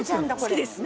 好きです。